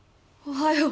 おはよう。